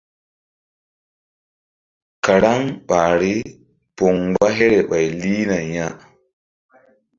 Karaŋ ɓahri poŋ mgba here ɓay lihna ya.